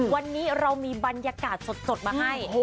วันนี้เรามีบรรยากาศสดมาให้